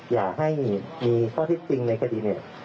อยากให้มีข้อทิศจริงในคดีเนี่ย